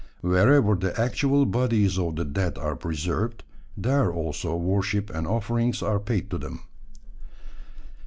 Wherever the actual bodies of the dead are preserved, there also worship and offerings are paid to them.